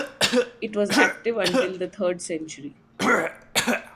It was active until the third century.